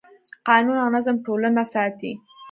قانون او نظم ټولنه ساتي.